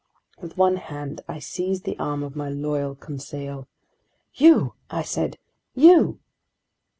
With one hand I seized the arm of my loyal Conseil. "You!" I said. "You!"